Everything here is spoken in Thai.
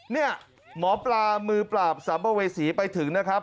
เนี่ยหมอปลามือปราบสัมภเวษีไปถึงนะครับ